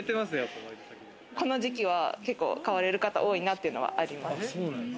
この時期は結構買われる方、多いなっていうのはあります。